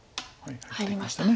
入りました。